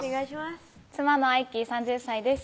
妻の愛生３０歳です